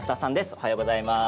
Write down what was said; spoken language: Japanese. おはようございます。